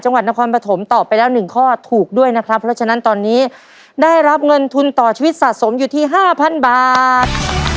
จังหวัดนครปฐมตอบไปแล้ว๑ข้อถูกด้วยนะครับเพราะฉะนั้นตอนนี้ได้รับเงินทุนต่อชีวิตสะสมอยู่ที่ห้าพันบาท